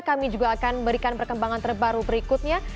kami juga akan memberikan perkembangan terbaru berikutnya